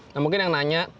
nah mungkin yang nanya